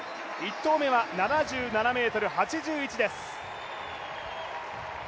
１投目は７７ｍ８１です。